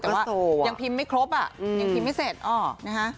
แต่ว่ายังพิมพ์ไม่ครบอ่ะยังพิมพ์ไม่เสร็จนะคะ